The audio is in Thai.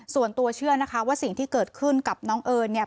ส่วนตัวเชื่อนะคะว่าสิ่งที่เกิดขึ้นกับน้องเอิญเนี่ย